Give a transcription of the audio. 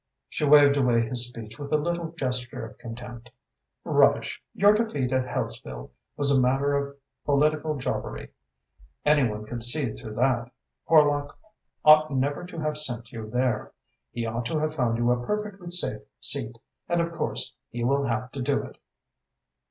She waved away his speech with a little gesture of contempt. "Rubbish! Your defeat at Hellesfield was a matter of political jobbery. Any one could see through that. Horlock ought never to have sent you there. He ought to have found you a perfectly safe seat, and of course he will have to do it."